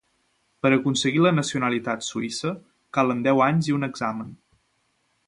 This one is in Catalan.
Per aconseguir la nacionalitat suïssa, calen deu anys i un examen.